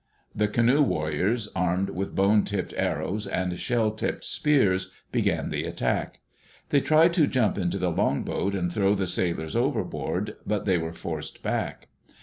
The canoe warriors, armed with bone tipped arrows and shell tipped spears, began the attack. They tried to jump into the longboat and throw the sailors overboard; but they were forced back.